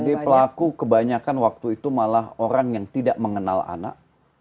jadi pelaku kebanyakan waktu itu malah orang yang tidak mengenal anak